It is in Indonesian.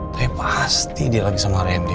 tapi pasti dia lagi sama rendy nih